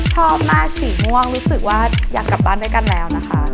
ชอบมากสีม่วงรู้สึกว่าอยากกลับบ้านด้วยกันแล้วนะคะ